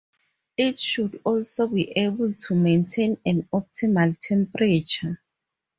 It should also be able to maintain an optimal temperature.